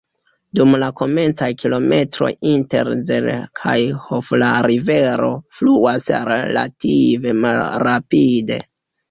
Dum la komencaj kilometroj inter Zell kaj Hof la rivero fluas relative malrapide.